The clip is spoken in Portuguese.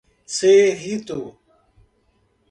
Cerrito